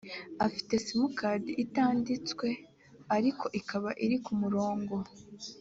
afite simukadi itanditswe ariko ikaba iri ku murongo